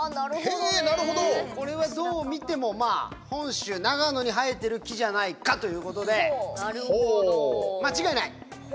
これは、どう見ても本州長野に生えてる木じゃないかということで、間違いない！